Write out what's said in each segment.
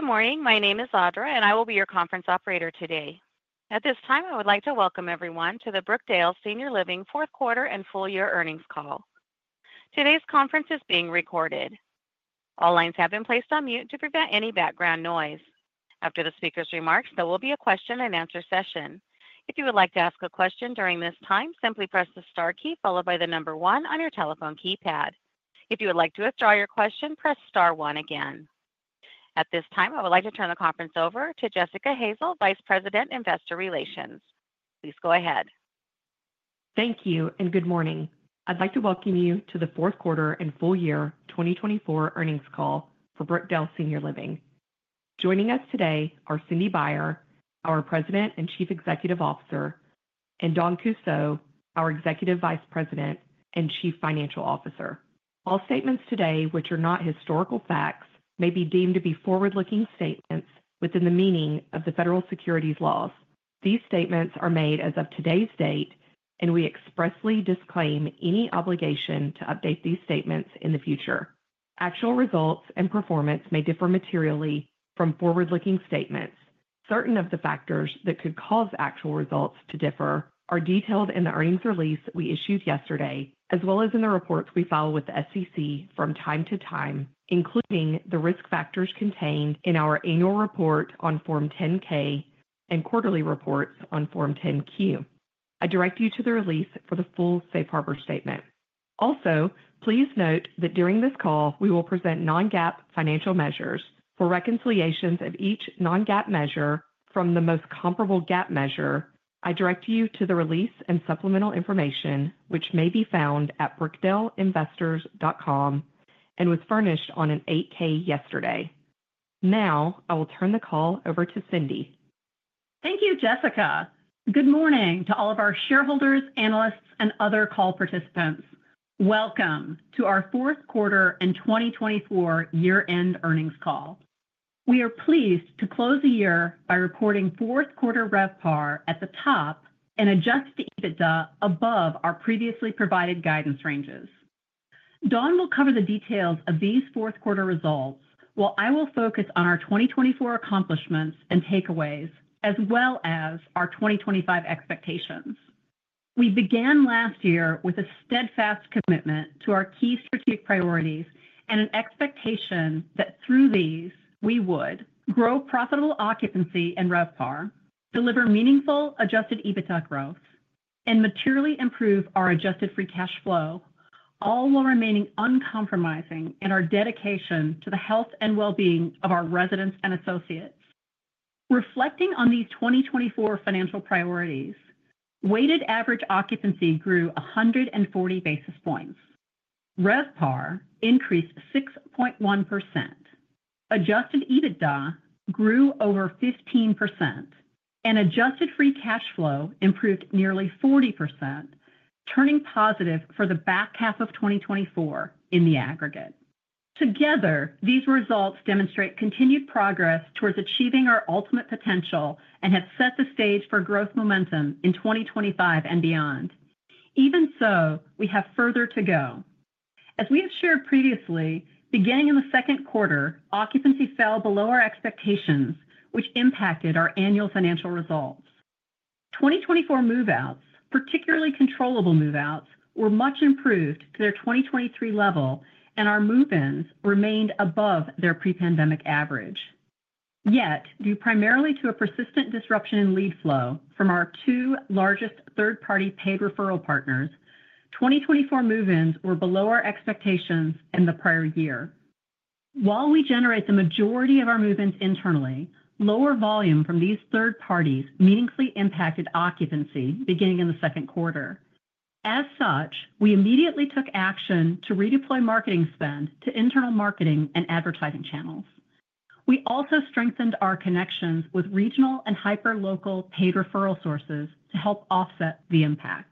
Good morning. My name is Audra, and I will be your conference operator today. At this time, I would like to welcome everyone to the Brookdale Senior Living Q4 and Full Year Earnings Call. Today's conference is being recorded. All lines have been placed on mute to prevent any background noise. After the speaker's remarks, there will be a Q&A session. If you would like to ask a question during this time, simply press the star key followed by the number one on your telephone keypad. If you would like to withdraw your question, press star one again. At this time, I would like to turn the conference over to Jessica Hazel, Vice President, Investor Relations. Please go ahead. Thank you, and good morning. I'd like to welcome you to the Q4 and Full Year 2024 Earnings Call for Brookdale Senior Living. Joining us today are Cindy Baier, our President and Chief Executive Officer, and Dawn Kussow, our Executive Vice President and Chief Financial Officer. All statements today, which are not historical facts, may be deemed to be forward-looking statements within the meaning of the federal securities laws. These statements are made as of today's date, and we expressly disclaim any obligation to update these statements in the future. Actual results and performance may differ materially from forward-looking statements. Certain of the factors that could cause actual results to differ are detailed in the earnings release we issued yesterday, as well as in the reports we file with the SEC from time to time, including the risk factors contained in our annual report on Form 10-K and quarterly reports on Form 10-Q. I direct you to the release for the full Safe Harbor Statement. Also, please note that during this call, we will present non-GAAP financial measures. For reconciliations of each non-GAAP measure from the most comparable GAAP measure, I direct you to the release and supplemental information, which may be found at brookdaleinvestors.com and was furnished on an 8-K yesterday. Now, I will turn the call over to Cindy. Thank you, Jessica. Good morning to all of our shareholders, analysts, and other call participants. Welcome to our Q4 and 2024 Year-End Earnings Call. We are pleased to close the year by reporting Q4 RevPAR at the top and adjusted EBITDA above our previously provided guidance ranges. Dawn will cover the details of these Q4 results, while I will focus on our 2024 accomplishments and takeaways, as well as our 2025 expectations. We began last year with a steadfast commitment to our key strategic priorities and an expectation that through these, we would grow profitable occupancy and RevPAR, deliver meaningful adjusted EBITDA growth, and materially improve our adjusted free cash flow, all while remaining uncompromising in our dedication to the health and well-being of our residents and associates. Reflecting on these 2024 financial priorities, weighted average occupancy grew 140 basis points, RevPAR increased 6.1%, Adjusted EBITDA grew over 15%, and Adjusted Free Cash Flow improved nearly 40%, turning positive for the back half of 2024 in the aggregate. Together, these results demonstrate continued progress towards achieving our ultimate potential and have set the stage for growth momentum in 2025 and beyond. Even so, we have further to go. As we have shared previously, beginning in the Q2, occupancy fell below our expectations, which impacted our annual financial results. 2024 move-outs, particularly controllable move-outs, were much improved to their 2023 level, and our move-ins remained above their pre-pandemic average. Yet, due primarily to a persistent disruption in lead flow from our two largest third-party paid referral partners, 2024 move-ins were below our expectations in the prior year. While we generate the majority of our move-ins internally, lower volume from these third parties meaningfully impacted occupancy beginning in the Q2. As such, we immediately took action to redeploy marketing spend to internal marketing and advertising channels. We also strengthened our connections with regional and hyperlocal paid referral sources to help offset the impact.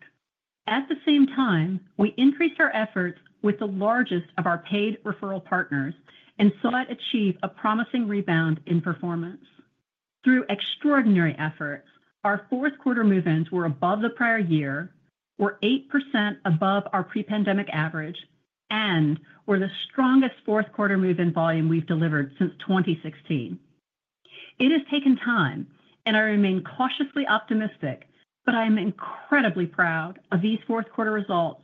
At the same time, we increased our efforts with the largest of our paid referral partners and sought to achieve a promising rebound in performance. Through extraordinary efforts, our Q4 move-ins were above the prior year, were 8% above our pre-pandemic average, and were the strongest Q4 move-in volume we've delivered since 2016. It has taken time, and I remain cautiously optimistic, but I am incredibly proud of these Q4 results,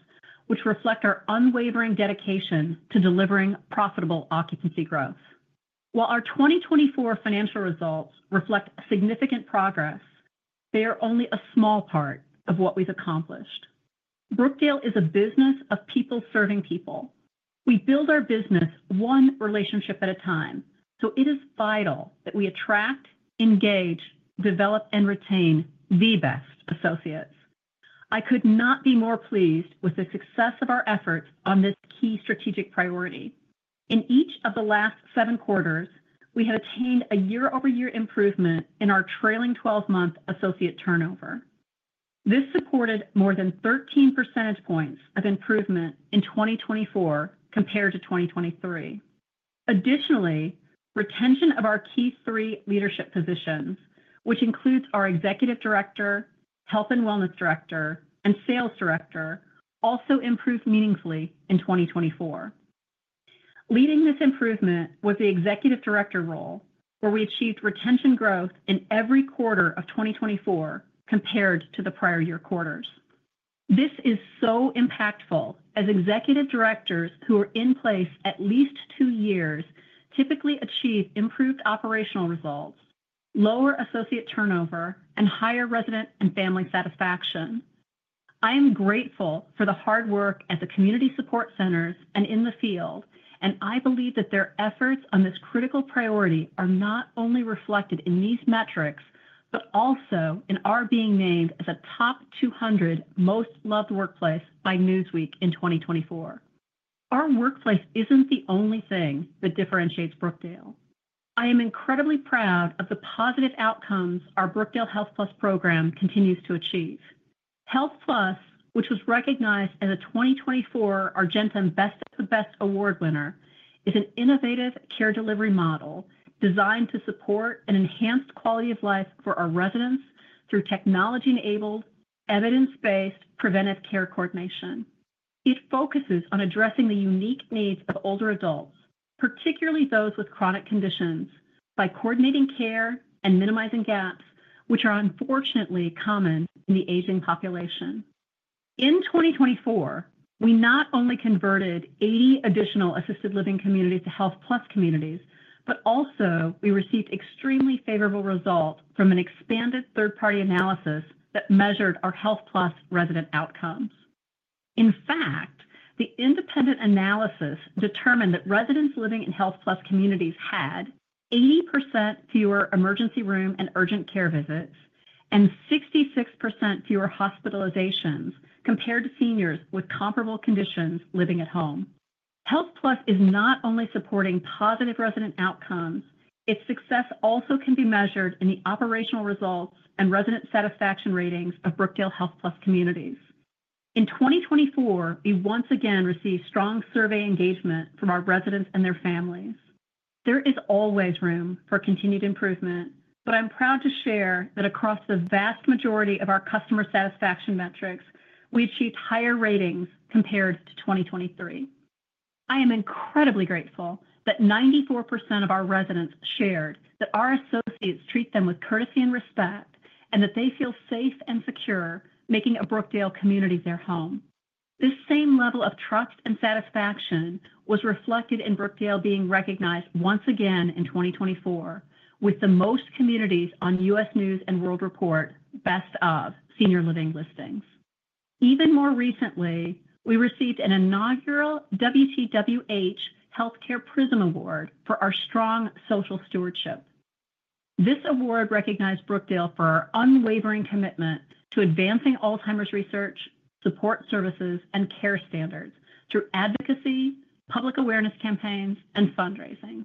which reflect our unwavering dedication to delivering profitable occupancy growth. While our 2024 financial results reflect significant progress, they are only a small part of what we've accomplished. Brookdale is a business of people serving people. We build our business one relationship at a time, so it is vital that we attract, engage, develop, and retain the best associates. I could not be more pleased with the success of our efforts on this key strategic priority. In each of the last seven quarters, we have attained a year-over-year improvement in our trailing 12-month associate turnover. This supported more than 13 percentage points of improvement in 2024 compared to 2023. Additionally, retention of our key three leadership positions, which includes our Executive Director, Health and Wellness Director, and Sales Director, also improved meaningfully in 2024. Leading this improvement was the Executive Director role, where we achieved retention growth in every quarter of 2024 compared to the prior year quarters. This is so impactful as Executive Directors who are in place at least two years typically achieve improved operational results, lower associate turnover, and higher resident and family satisfaction. I am grateful for the hard work at the community support centers and in the field, and I believe that their efforts on this critical priority are not only reflected in these metrics, but also in our being named as a top 200 most loved workplace by Newsweek in 2024. Our workplace isn't the only thing that differentiates Brookdale. I am incredibly proud of the positive outcomes our Brookdale Health Plus program continues to achieve. Health Plus, which was recognized as a 2024 Argentum Best of the Best Award winner, is an innovative care delivery model designed to support an enhanced quality of life for our residents through technology-enabled, evidence-based preventive care coordination. It focuses on addressing the unique needs of older adults, particularly those with chronic conditions, by coordinating care and minimizing gaps, which are unfortunately common in the aging population. In 2024, we not only converted 80 additional assisted living communities to Health Plus communities, but also we received extremely favorable results from an expanded third-party analysis that measured our Health Plus resident outcomes. In fact, the independent analysis determined that residents living in Health Plus communities had 80% fewer emergency room and urgent care visits and 66% fewer hospitalizations compared to seniors with comparable conditions living at home. Health Plus is not only supporting positive resident outcomes. Its success also can be measured in the operational results and resident satisfaction ratings of Brookdale Health Plus communities. In 2024, we once again received strong survey engagement from our residents and their families. There is always room for continued improvement, but I'm proud to share that across the vast majority of our customer satisfaction metrics, we achieved higher ratings compared to 2023. I am incredibly grateful that 94% of our residents shared that our associates treat them with courtesy and respect and that they feel safe and secure making a Brookdale community their home. This same level of trust and satisfaction was reflected in Brookdale being recognized once again in 2024 with the Most Communities on U.S. News & World Report Best of Senior Living listings. Even more recently, we received an inaugural WTWH Healthcare Prism Award for our strong social stewardship. This award recognized Brookdale for our unwavering commitment to advancing Alzheimer's research, support services, and care standards through advocacy, public awareness campaigns, and fundraising.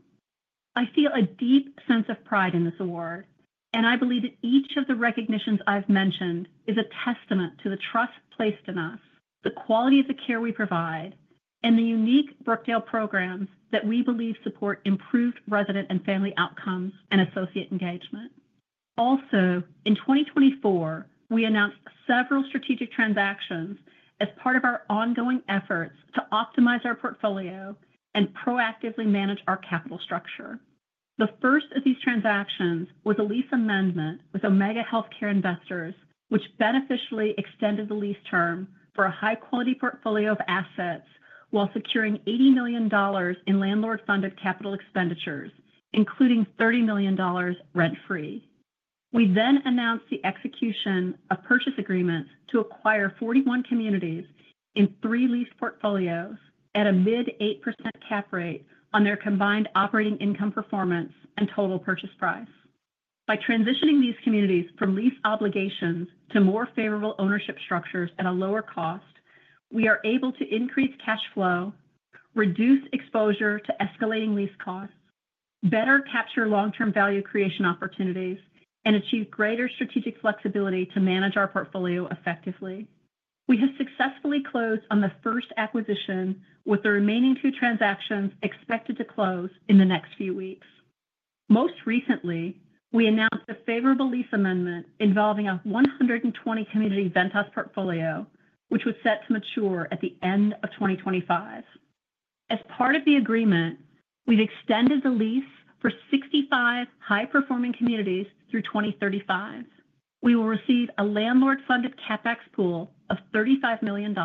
I feel a deep sense of pride in this award, and I believe that each of the recognitions I've mentioned is a testament to the trust placed in us, the quality of the care we provide, and the unique Brookdale programs that we believe support improved resident and family outcomes and associate engagement. Also, in 2024, we announced several strategic transactions as part of our ongoing efforts to optimize our portfolio and proactively manage our capital structure. The first of these transactions was a lease amendment with Omega Healthcare Investors, which beneficially extended the lease term for a high-quality portfolio of assets while securing $80 million in landlord-funded capital expenditures, including $30 million rent-free. We then announced the execution of purchase agreements to acquire 41 communities in three lease portfolios at a mid 8% cap rate on their combined operating income performance and total purchase price. By transitioning these communities from lease obligations to more favorable ownership structures at a lower cost, we are able to increase cash flow, reduce exposure to escalating lease costs, better capture long-term value creation opportunities, and achieve greater strategic flexibility to manage our portfolio effectively. We have successfully closed on the first acquisition, with the remaining two transactions expected to close in the next few weeks. Most recently, we announced a favorable lease amendment involving a 120-community Ventas portfolio, which was set to mature at the end of 2025. As part of the agreement, we've extended the lease for 65 high-performing communities through 2035. We will receive a landlord-funded CapEx pool of $35 million,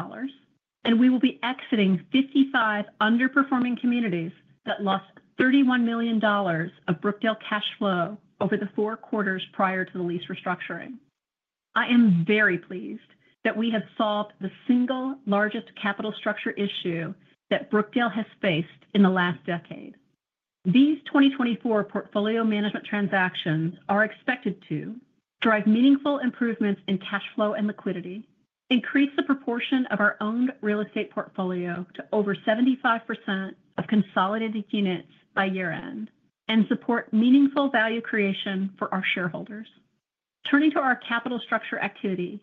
and we will be exiting 55 underperforming communities that lost $31 million of Brookdale cash flow over the four quarters prior to the lease restructuring. I am very pleased that we have solved the single largest capital structure issue that Brookdale has faced in the last decade. These 2024 portfolio management transactions are expected to drive meaningful improvements in cash flow and liquidity, increase the proportion of our owned real estate portfolio to over 75% of consolidated units by year-end, and support meaningful value creation for our shareholders. Turning to our capital structure activity,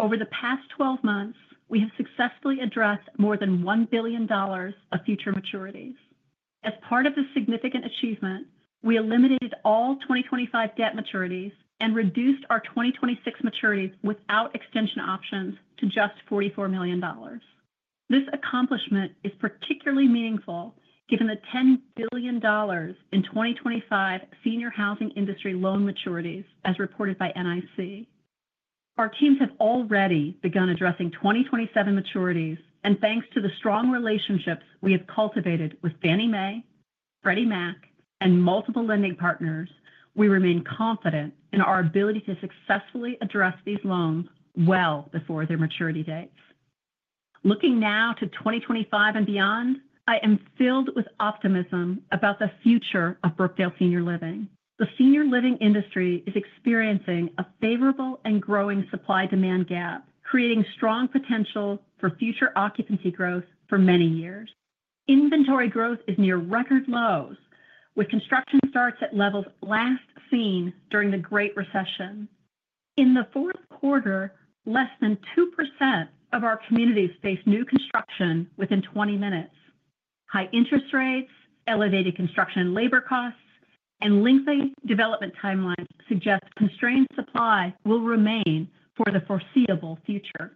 over the past 12 months, we have successfully addressed more than $1 billion of future maturities. As part of this significant achievement, we eliminated all 2025 debt maturities and reduced our 2026 maturities without extension options to just $44 million. This accomplishment is particularly meaningful given the $10 billion in 2025 senior housing industry loan maturities, as reported by NIC. Our teams have already begun addressing 2027 maturities, and thanks to the strong relationships we have cultivated with Fannie Mae, Freddie Mac, and multiple lending partners, we remain confident in our ability to successfully address these loans well before their maturity dates. Looking now to 2025 and beyond, I am filled with optimism about the future of Brookdale Senior Living. The senior living industry is experiencing a favorable and growing supply-demand gap, creating strong potential for future occupancy growth for many years. Inventory growth is near record lows, with construction starts at levels last seen during the Great Recession. In the Q4, less than 2% of our communities faced new construction within 20 minutes. High interest rates, elevated construction and labor costs, and lengthy development timelines suggest constrained supply will remain for the foreseeable future.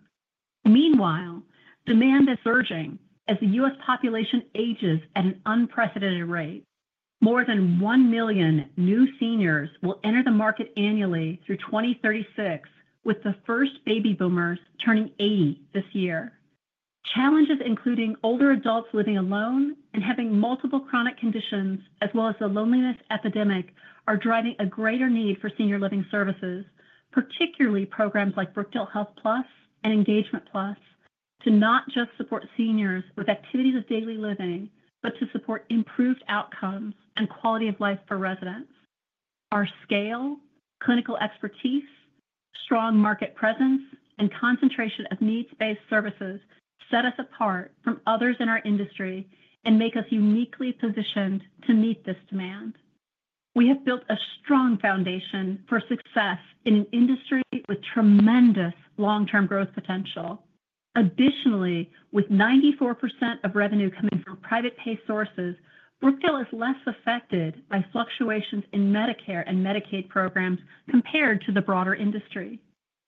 Meanwhile, demand is surging as the U.S. population ages at an unprecedented rate. More than 1 million new seniors will enter the market annually through 2036, with the first baby boomers turning 80 this year. Challenges including older adults living alone and having multiple chronic conditions, as well as the loneliness epidemic, are driving a greater need for senior living services, particularly programs like Brookdale Health Plus and Engagement Plus, to not just support seniors with activities of daily living, but to support improved outcomes and quality of life for residents. Our scale, clinical expertise, strong market presence, and concentration of needs-based services set us apart from others in our industry and make us uniquely positioned to meet this demand. We have built a strong foundation for success in an industry with tremendous long-term growth potential. Additionally, with 94% of revenue coming from private-pay sources, Brookdale is less affected by fluctuations in Medicare and Medicaid programs compared to the broader industry.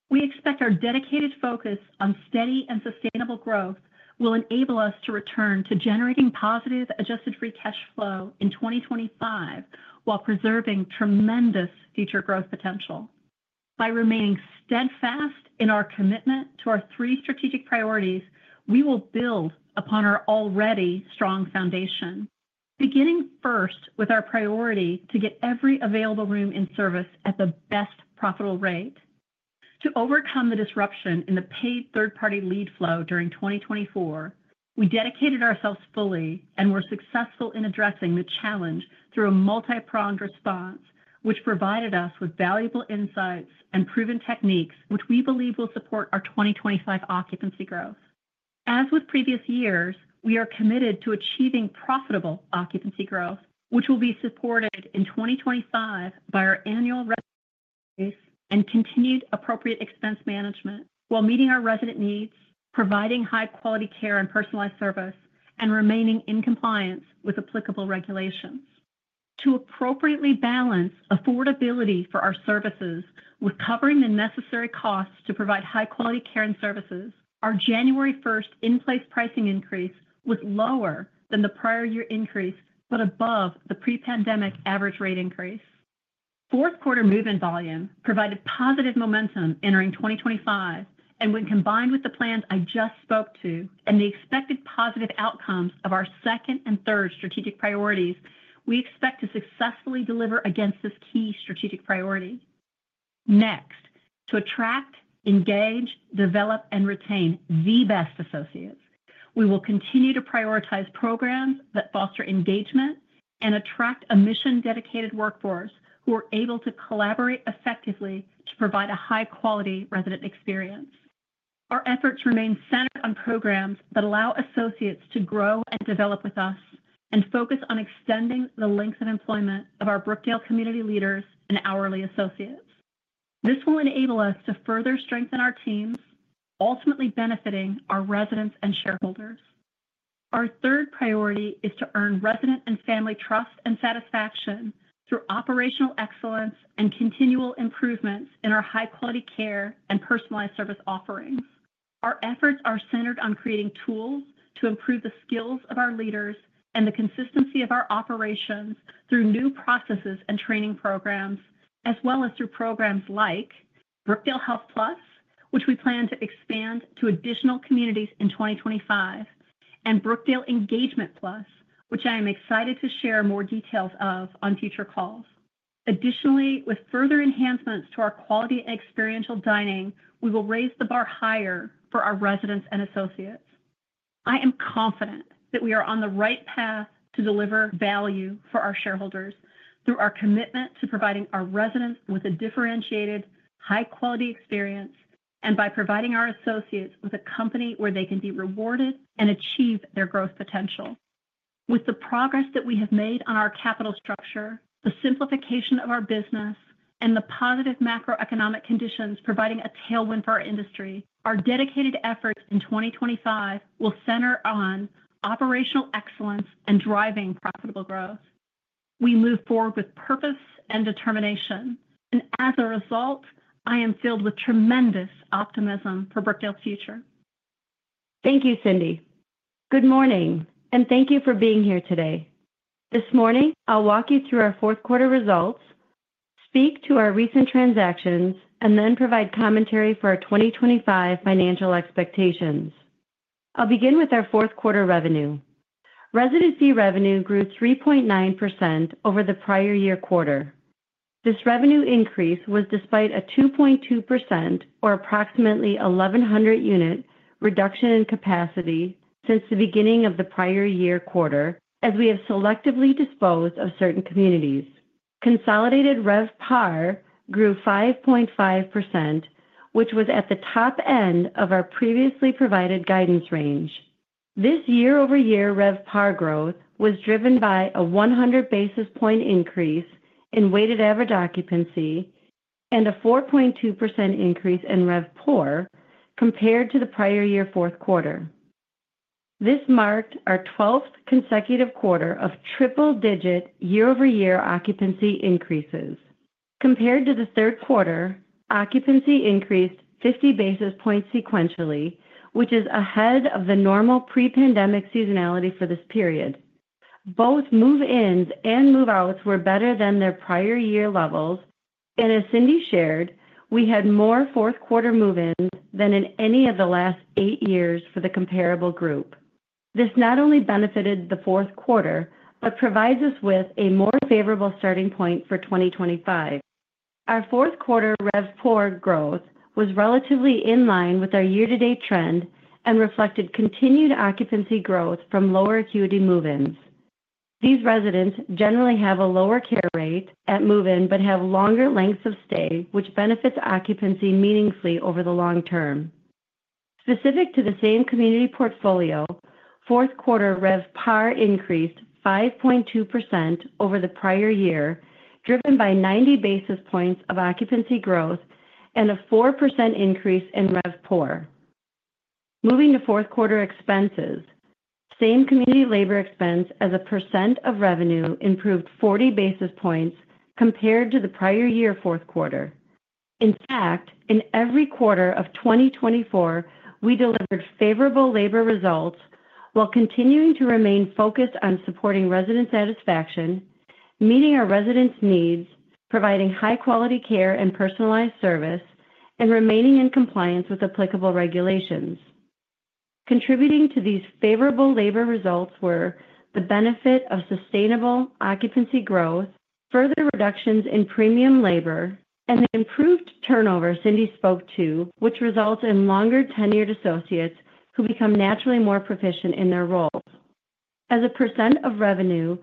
We expect our dedicated focus on steady and sustainable growth will enable us to return to generating positive Adjusted Free Cash Flow in 2025 while preserving tremendous future growth potential. By remaining steadfast in our commitment to our three strategic priorities, we will build upon our already strong foundation, beginning first with our priority to get every available room in service at the best profitable rate. To overcome the disruption in the paid third-party lead flow during 2024, we dedicated ourselves fully and were successful in addressing the challenge through a multi-pronged response, which provided us with valuable insights and proven techniques, which we believe will support our 2025 occupancy growth. As with previous years, we are committed to achieving profitable occupancy growth, which will be supported in 2025 by our annual revenue base and continued appropriate expense management while meeting our resident needs, providing high-quality care and personalized service, and remaining in compliance with applicable regulations. To appropriately balance affordability for our services with covering the necessary costs to provide high-quality care and services, our January 1st in-place pricing increase was lower than the prior year increase, but above the pre-pandemic average rate increase. Q4 movement volume provided positive momentum entering 2025, and when combined with the plans I just spoke to and the expected positive outcomes of our second and third strategic priorities, we expect to successfully deliver against this key strategic priority. Next, to attract, engage, develop, and retain the best associates, we will continue to prioritize programs that foster engagement and attract a mission-dedicated workforce who are able to collaborate effectively to provide a high-quality resident experience. Our efforts remain centered on programs that allow associates to grow and develop with us and focus on extending the length of employment of our Brookdale community leaders and hourly associates. This will enable us to further strengthen our teams, ultimately benefiting our residents and shareholders. Our third priority is to earn resident and family trust and satisfaction through operational excellence and continual improvements in our high-quality care and personalized service offerings. Our efforts are centered on creating tools to improve the skills of our leaders and the consistency of our operations through new processes and training programs, as well as through programs like Brookdale Health Plus, which we plan to expand to additional communities in 2025, and Brookdale Engagement Plus, which I am excited to share more details of on future calls. Additionally, with further enhancements to our quality and experiential dining, we will raise the bar higher for our residents and associates. I am confident that we are on the right path to deliver value for our shareholders through our commitment to providing our residents with a differentiated, high-quality experience and by providing our associates with a company where they can be rewarded and achieve their growth potential. With the progress that we have made on our capital structure, the simplification of our business, and the positive macroeconomic conditions providing a tailwind for our industry, our dedicated efforts in 2025 will center on operational excellence and driving profitable growth. We move forward with purpose and determination, and as a result, I am filled with tremendous optimism for Brookdale's future. Thank you, Cindy. Good morning, and thank you for being here today. This morning, I'll walk you through our Q4 results, speak to our recent transactions, and then provide commentary for our 2025 financial expectations. I'll begin with our Q4 revenue. Residency revenue grew 3.9% over the prior year quarter. This revenue increase was despite a 2.2%, or approximately 1,100-unit, reduction in capacity since the beginning of the prior year quarter, as we have selectively disposed of certain communities. Consolidated RevPAR grew 5.5%, which was at the top end of our previously provided guidance range. This year-over-year RevPAR growth was driven by a 100 basis point increase in weighted average occupancy and a 4.2% increase in RevPOR compared to the prior year Q4. This marked our 12th consecutive quarter of triple-digit year-over-year occupancy increases. Compared to the Q3, occupancy increased 50 basis points sequentially, which is ahead of the normal pre-pandemic seasonality for this period. Both move-ins and move-outs were better than their prior year levels, and as Cindy shared, we had more Q4 move-ins than in any of the last eight years for the comparable group. This not only benefited the Q4, but provides us with a more favorable starting point for 2025. Our Q4 RevPOR growth was relatively in line with our year-to-date trend and reflected continued occupancy growth from lower acuity move-ins. These residents generally have a lower care rate at move-in, but have longer lengths of stay, which benefits occupancy meaningfully over the long term. Specific to the same community portfolio, Q4 RevPAR increased 5.2% over the prior year, driven by 90 basis points of occupancy growth and a 4% increase in RevPOR. Moving to Q4 expenses, same community labor expense as a percent of revenue improved 40 basis points compared to the prior year Q4. In fact, in every quarter of 2024, we delivered favorable labor results while continuing to remain focused on supporting resident satisfaction, meeting our residents' needs, providing high-quality care and personalized service, and remaining in compliance with applicable regulations. Contributing to these favorable labor results were the benefit of sustainable occupancy growth, further reductions in premium labor, and the improved turnover Cindy spoke to, which results in longer tenured associates who become naturally more proficient in their roles. As a percent of revenue,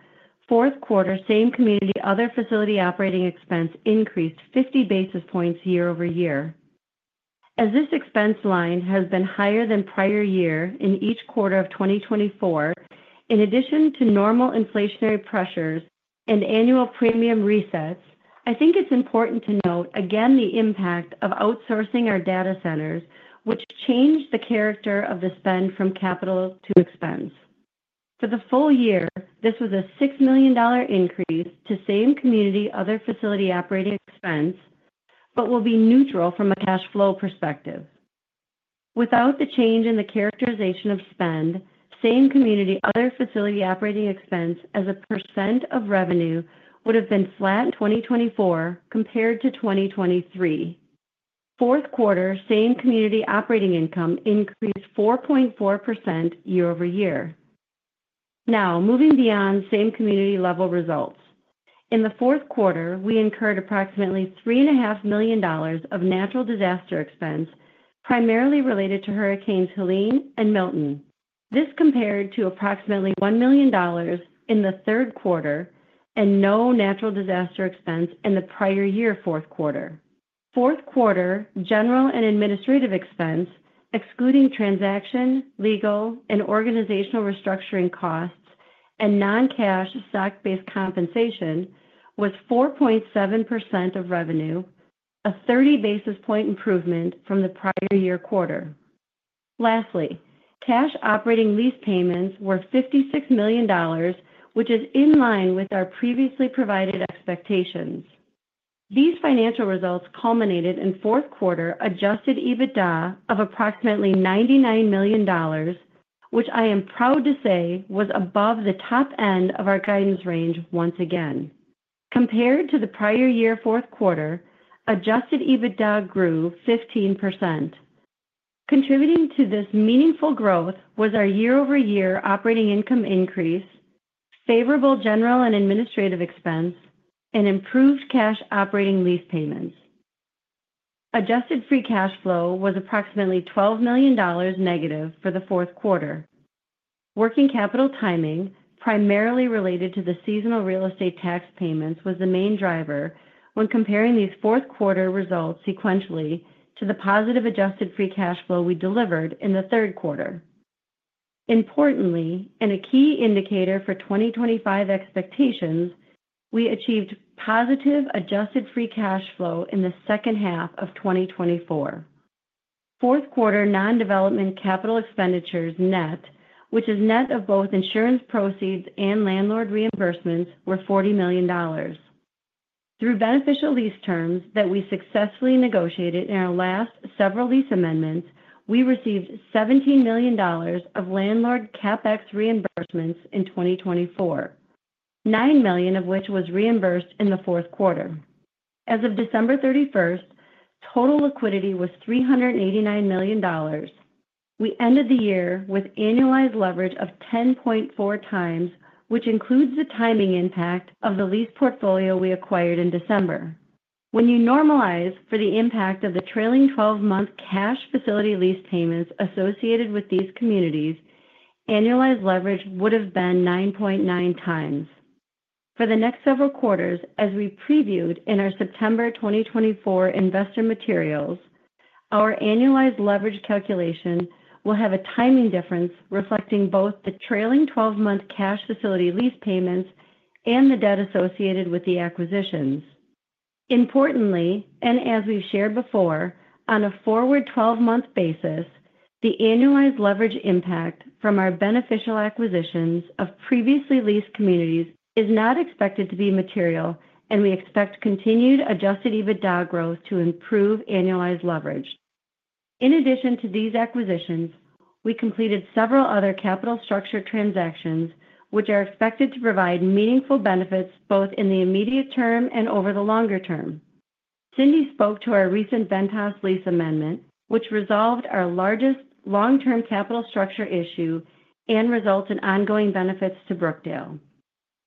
Q4 same community other facility operating expense increased 50 basis points year-over-year. As this expense line has been higher than prior year in each quarter of 2024, in addition to normal inflationary pressures and annual premium resets, I think it's important to note again the impact of outsourcing our data centers, which changed the character of the spend from capital to expense. For the full year, this was a $6 million increase to same community other facility operating expense, but will be neutral from a cash flow perspective. Without the change in the characterization of spend, same community other facility operating expense as a % of revenue would have been flat in 2024 compared to 2023. Q4 same community operating income increased 4.4% year-over-year. Now, moving beyond same community level results. In the Q4, we incurred approximately $3.5 million of natural disaster expense, primarily related to Hurricanes Helene and Milton. This compared to approximately $1 million in the Q3 and no natural disaster expense in the prior year Q4. Q4 general and administrative expense, excluding transaction, legal, and organizational restructuring costs, and non-cash SAC-based compensation was 4.7% of revenue, a 30 basis point improvement from the prior year quarter. Lastly, cash operating lease payments were $56 million, which is in line with our previously provided expectations. These financial results culminated in Q4 Adjusted EBITDA of approximately $99 million, which I am proud to say was above the top end of our guidance range once again. Compared to the prior year Q4, Adjusted EBITDA grew 15%. Contributing to this meaningful growth was our year-over-year operating income increase, favorable general and administrative expense, and improved cash operating lease payments. Adjusted Free Cash Flow was approximately $12 million negative for the Q4. Working capital timing, primarily related to the seasonal real estate tax payments, was the main driver when comparing these Q4 results sequentially to the positive Adjusted Free Cash Flow we delivered in the Q3. Importantly, and a key indicator for 2025 expectations, we achieved positive Adjusted Free Cash Flow in the second half of 2024. Q4 non-development capital expenditures net, which is net of both insurance proceeds and landlord reimbursements, were $40 million. Through beneficial lease terms that we successfully negotiated in our last several lease amendments, we received $17 million of landlord CapEx reimbursements in 2024, $9 million of which was reimbursed in the Q4. As of December 31st, total liquidity was $389 million. We ended the year with annualized leverage of 10.4 times, which includes the timing impact of the lease portfolio we acquired in December. When you normalize for the impact of the trailing 12-month cash facility lease payments associated with these communities, annualized leverage would have been 9.9 times. For the next several quarters, as we previewed in our September 2024 investor materials, our annualized leverage calculation will have a timing difference reflecting both the trailing 12-month cash facility lease payments and the debt associated with the acquisitions. Importantly, and as we've shared before, on a forward 12-month basis, the annualized leverage impact from our beneficial acquisitions of previously leased communities is not expected to be material, and we expect continued Adjusted EBITDA growth to improve annualized leverage. In addition to these acquisitions, we completed several other capital structure transactions, which are expected to provide meaningful benefits both in the immediate term and over the longer term. Cindy spoke to our recent Ventas Lease Amendment, which resolved our largest long-term capital structure issue and results in ongoing benefits to Brookdale.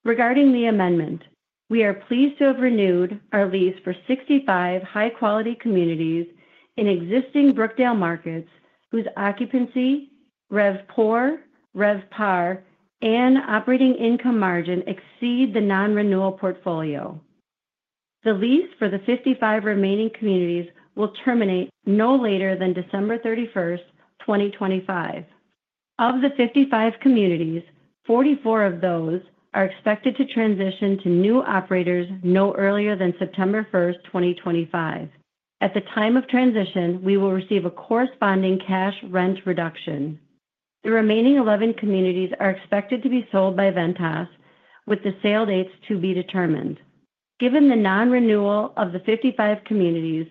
Regarding the amendment, we are pleased to have renewed our lease for 65 high-quality communities in existing Brookdale markets whose occupancy, RevPOR, RevPAR, and operating income margin exceed the non-renewal portfolio. The lease for the 55 remaining communities will terminate no later than December 31st, 2025. Of the 55 communities, 44 of those are expected to transition to new operators no earlier than September 1st, 2025. At the time of transition, we will receive a corresponding cash rent reduction. The remaining 11 communities are expected to be sold by Ventas, with the sale dates to be determined. Given the non-renewal of the 55 communities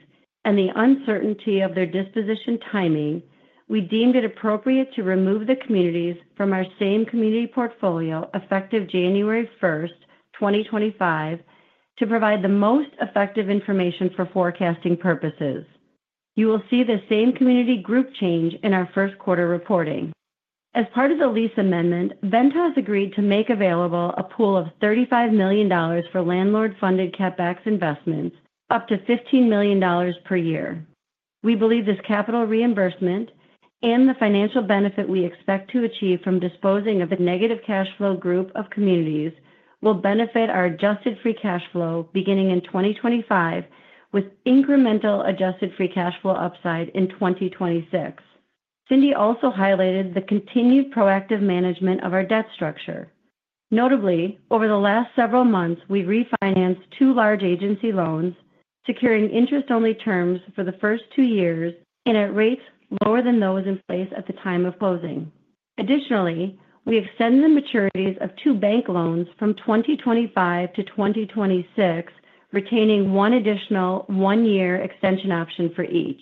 and the uncertainty of their disposition timing, we deemed it appropriate to remove the communities from our same community portfolio effective January 1st, 2025, to provide the most effective information for forecasting purposes. You will see the same community group change in our Q1 reporting. As part of the lease amendment, Ventas agreed to make available a pool of $35 million for landlord-funded CapEx investments, up to $15 million per year. We believe this capital reimbursement and the financial benefit we expect to achieve from disposing of the negative cash flow group of communities will benefit our adjusted free cash flow beginning in 2025, with incremental adjusted free cash flow upside in 2026. Cindy also highlighted the continued proactive management of our debt structure. Notably, over the last several months, we refinanced two large agency loans, securing interest-only terms for the first two years and at rates lower than those in place at the time of closing. Additionally, we extended the maturities of two bank loans from 2025 to 2026, retaining one additional one-year extension option for each,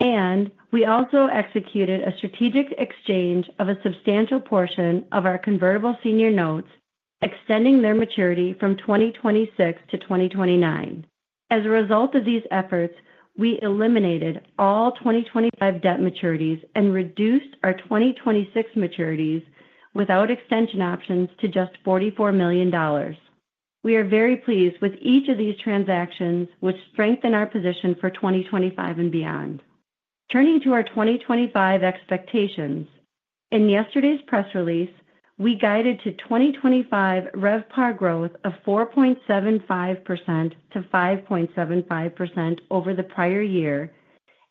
and we also executed a strategic exchange of a substantial portion of our convertible senior notes, extending their maturity from 2026 to 2029. As a result of these efforts, we eliminated all 2025 debt maturities and reduced our 2026 maturities without extension options to just $44 million. We are very pleased with each of these transactions, which strengthen our position for 2025 and beyond. Turning to our 2025 expectations, in yesterday's press release, we guided to 2025 RevPAR growth of 4.75%-5.75% over the prior year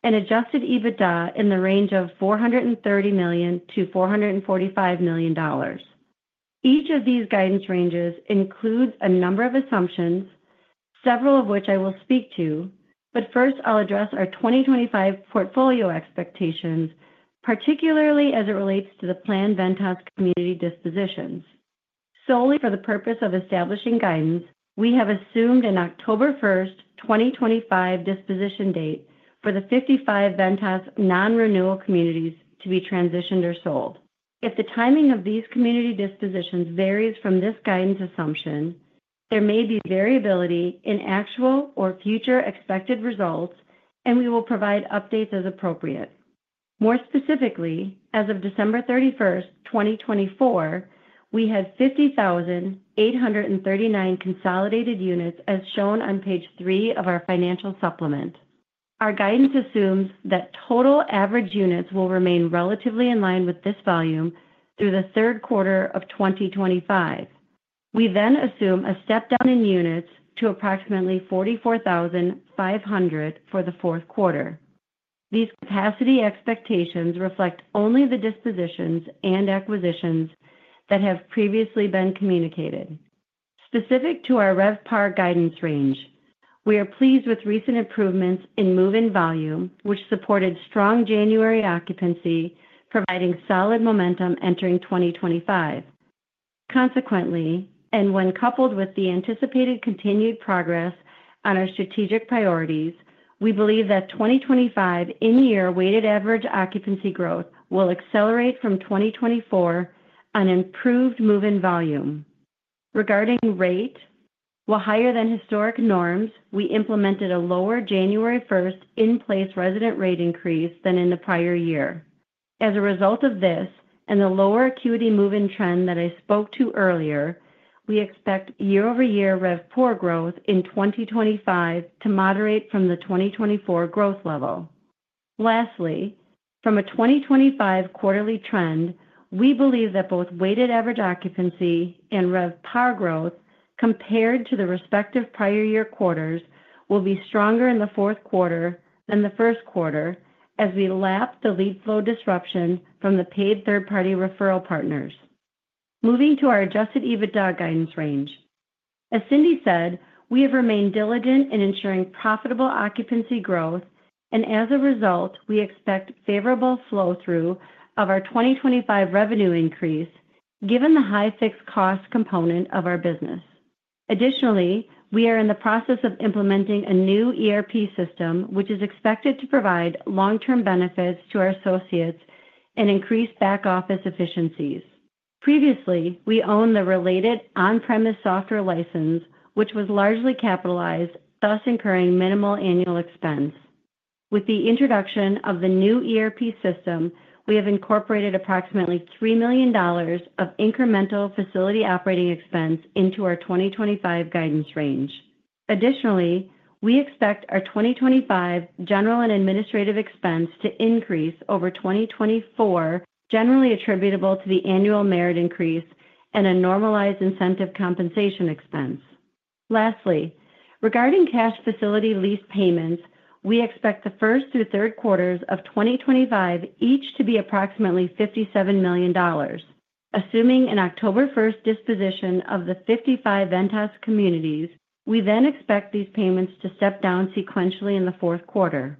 and adjusted EBITDA in the range of $430 million-$445 million. Each of these guidance ranges includes a number of assumptions, several of which I will speak to, but first I'll address our 2025 portfolio expectations, particularly as it relates to the planned Ventas community dispositions. Solely for the purpose of establishing guidance, we have assumed an October 1st, 2025 disposition date for the 55 Ventas non-renewal communities to be transitioned or sold. If the timing of these community dispositions varies from this guidance assumption, there may be variability in actual or future expected results, and we will provide updates as appropriate. More specifically, as of December 31st, 2024, we had 50,839 consolidated units as shown on page three of our financial supplement. Our guidance assumes that total average units will remain relatively in line with this volume through the Q3 of 2025. We then assume a step down in units to approximately 44,500 for the Q4. These capacity expectations reflect only the dispositions and acquisitions that have previously been communicated. Specific to our RevPAR guidance range, we are pleased with recent improvements in move-in volume, which supported strong January occupancy, providing solid momentum entering 2025. Consequently, and when coupled with the anticipated continued progress on our strategic priorities, we believe that 2025 in-year weighted average occupancy growth will accelerate from 2024 on improved move-in volume. Regarding rate, while higher than historic norms, we implemented a lower January 1st in place resident rate increase than in the prior year. As a result of this, and the lower acuity move-in trend that I spoke to earlier, we expect year-over-year RevPOR growth in 2025 to moderate from the 2024 growth level. Lastly, from a 2025 quarterly trend, we believe that both weighted average occupancy and RevPAR growth compared to the respective prior year quarters will be stronger in the Q4 than the Q1 as we lap the lead flow disruption from the paid third-party referral partners. Moving to our adjusted EBITDA guidance range. As Cindy said, we have remained diligent in ensuring profitable occupancy growth, and as a result, we expect favorable flow-through of our 2025 revenue increase given the high fixed cost component of our business. Additionally, we are in the process of implementing a new ERP system, which is expected to provide long-term benefits to our associates and increase back office efficiencies. Previously, we owned the related on-premise software license, which was largely capitalized, thus incurring minimal annual expense. With the introduction of the new ERP system, we have incorporated approximately $3 million of incremental facility operating expense into our 2025 guidance range. Additionally, we expect our 2025 general and administrative expense to increase over 2024, generally attributable to the annual merit increase and a normalized incentive compensation expense. Lastly, regarding cash facility lease payments, we expect the Q1-Q3 of 2025 each to be approximately $57 million. Assuming an October 1st disposition of the 55 Ventas communities, we then expect these payments to step down sequentially in the Q4.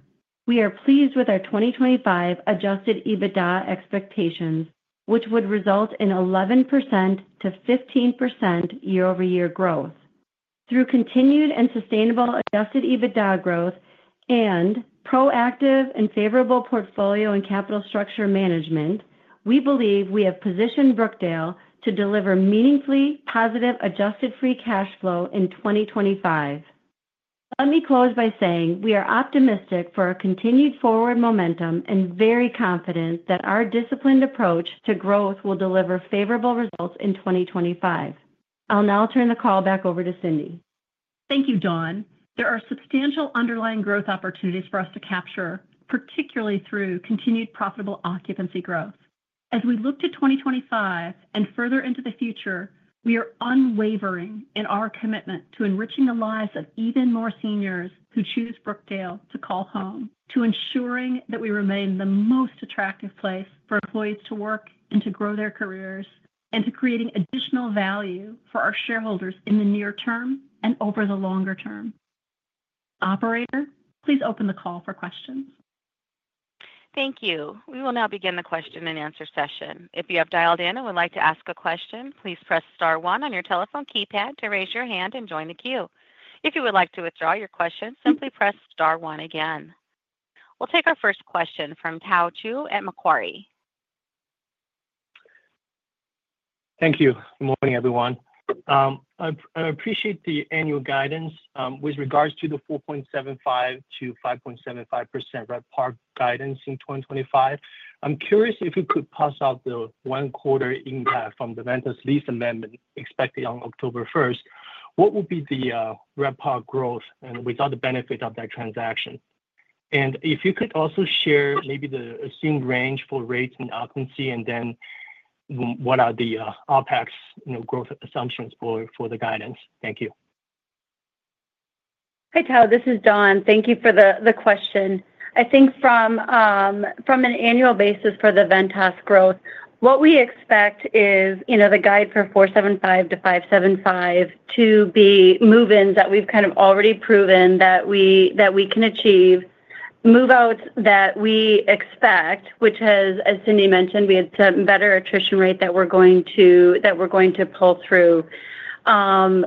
We are pleased with our 2025 Adjusted EBITDA expectations, which would result in 11%-15% year-over-year growth. Through continued and sustainable Adjusted EBITDA growth and proactive and favorable portfolio and capital structure management, we believe we have positioned Brookdale to deliver meaningfully positive Adjusted Free Cash Flow in 2025. Let me close by saying we are optimistic for our continued forward momentum and very confident that our disciplined approach to growth will deliver favorable results in 2025. I'll now turn the call back over to Cindy. Thank you, Dawn. There are substantial underlying growth opportunities for us to capture, particularly through continued profitable occupancy growth. As we look to 2025 and further into the future, we are unwavering in our commitment to enriching the lives of even more seniors who choose Brookdale to call home, to ensuring that we remain the most attractive place for employees to work and to grow their careers, and to creating additional value for our shareholders in the near term and over the longer term. Operator, please open the call for questions. Thank you. We will now begin the question and answer session. If you have dialed in and would like to ask a question, please press star one on your telephone keypad to raise your hand and join the queue. If you would like to withdraw your question, simply press star one again. We'll take our first question from Tao Qiu at Macquarie. Thank you. Good morning, everyone.I appreciate the annual guidance with regards to the 4.75%-5.75% RevPAR guidance in 2025. I'm curious if you could parse out the one-quarter impact from the Ventas Lease Amendment expected on October 1st. What would be the RevPAR growth and without the benefit of that transaction? And if you could also share maybe the assumed range for rates and occupancy and then what are the OpEx growth assumptions for the guidance. Thank you. Hi, Tao. This is Dawn. Thank you for the question. I think from an annual basis for the Ventas growth, what we expect is the guide for 475-575 to be move-ins that we've kind of already proven that we can achieve, move-outs that we expect, which has, as Cindy mentioned, we had some better attrition rate that we're going to pull through.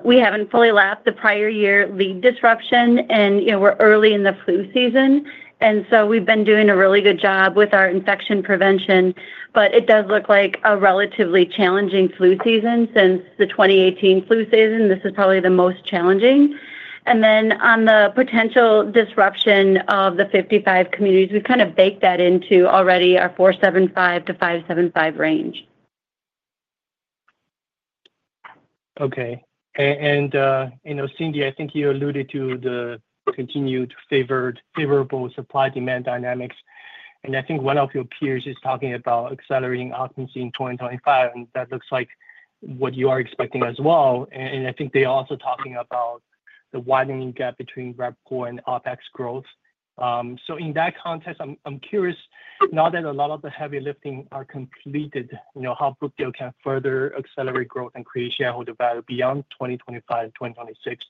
We haven't fully lapped the prior year lead disruption, and we're early in the flu season, and so we've been doing a really good job with our infection prevention, but it does look like a relatively challenging flu season since the 2018 flu season. This is probably the most challenging, and then on the potential disruption of the 55 communities, we've kind of baked that into already our 475-575 range. Okay, and Cindy, I think you alluded to the continued favorable supply-demand dynamics, and I think one of your peers is talking about accelerating occupancy in 2025, and that looks like what you are expecting as well, and I think they're also talking about the widening gap between RevPOR and OpEx growth. So in that context, I'm curious, now that a lot of the heavy lifting is completed, how Brookdale can further accelerate growth and create shareholder value beyond 2025 and 2026?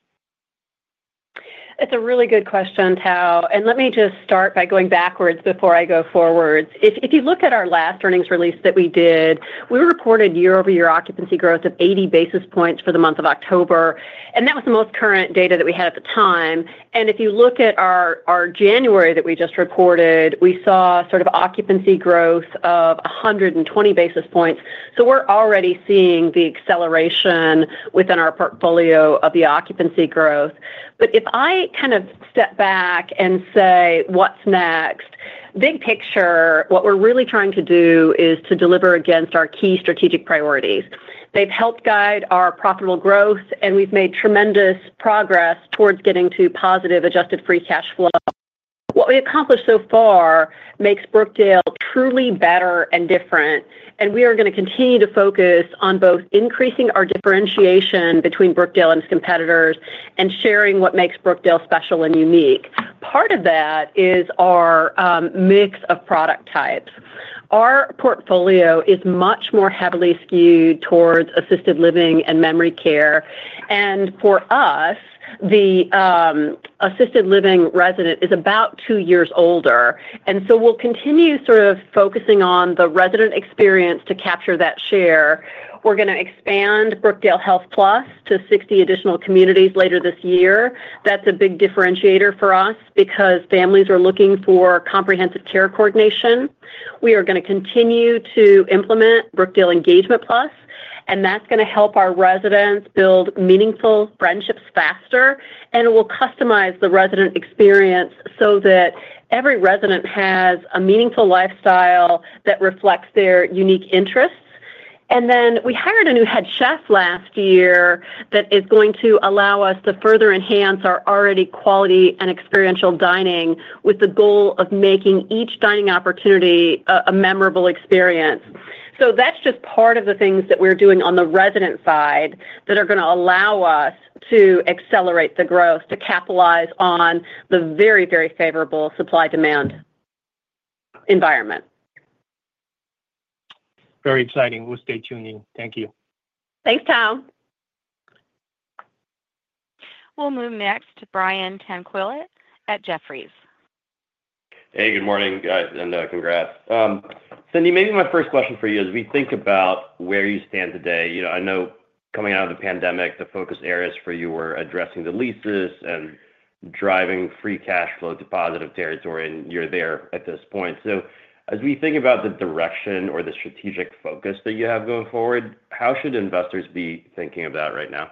It's a really good question, Tao. And let me just start by going backwards before I go forwards. If you look at our last earnings release that we did, we reported year-over-year occupancy growth of 80 basis points for the month of October, and that was the most current data that we had at the time. And if you look at our January that we just reported, we saw sort of occupancy growth of 120 basis points. So we're already seeing the acceleration within our portfolio of the occupancy growth. But if I kind of step back and say, what's next? Big picture, what we're really trying to do is to deliver against our key strategic priorities. They've helped guide our profitable growth, and we've made tremendous progress towards getting to positive adjusted free cash flow. What we accomplished so far makes Brookdale truly better and different. And we are going to continue to focus on both increasing our differentiation between Brookdale and its competitors and sharing what makes Brookdale special and unique. Part of that is our mix of product types. Our portfolio is much more heavily skewed towards assisted living and memory care. And for us, the assisted living resident is about two years older. And so we'll continue sort of focusing on the resident experience to capture that share. We're going to expand Brookdale Health Plus to 60 additional communities later this year. That's a big differentiator for us because families are looking for comprehensive care coordination. We are going to continue to implement Brookdale Engagement Plus, and that's going to help our residents build meaningful friendships faster, and it will customize the resident experience so that every resident has a meaningful lifestyle that reflects their unique interests. And then we hired a new head chef last year that is going to allow us to further enhance our already quality and experiential dining with the goal of making each dining opportunity a memorable experience. So that's just part of the things that we're doing on the resident side that are going to allow us to accelerate the growth to capitalize on the very, very favorable supply-demand environment. Very exciting. We'll stay tuned. Thank you. Thanks, Tao. We'll move next to Brian Tanquilut at Jefferies. Hey, good morning. And congrats. Cindy, maybe my first question for you is we think about where you stand today. I know coming out of the pandemic, the focus areas for you were addressing the leases and driving free cash flow to positive territory, and you're there at this point. So as we think about the direction or the strategic focus that you have going forward, how should investors be thinking of that right now?